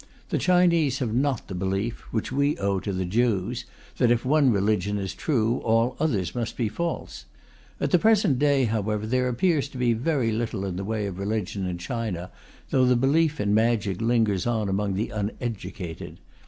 The Chinese have not the belief, which we owe to the Jews, that if one religion is true, all others must be false. At the present day, however, there appears to be very little in the way of religion in China, though the belief in magic lingers on among the uneducated.